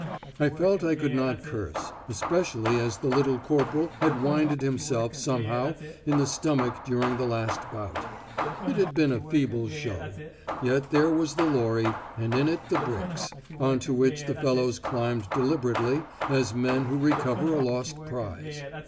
I felt I could not curse, especially as the little corporal had winded himself somehow in the stomach during the last bout. It had been a feeble show; yet there was the lorry, and in it the bricks, on to which the fellows climbed deliberately as men who recover a lost prize.